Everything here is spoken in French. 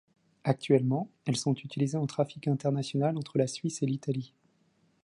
Actuellement, elles sont utilisées en trafic international entre la Suisse et l'Italie.